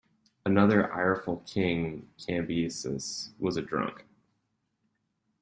Another ireful king, Cambises, was a drunk.